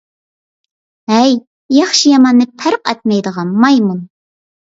ھەي، ياخشى - ياماننى پەرق ئەتمەيدىغان مايمۇن!